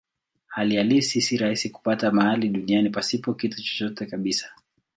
Hali halisi si rahisi kupata mahali duniani pasipo kitu chochote kabisa.